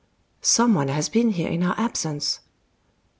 "Some one has been here in our absence."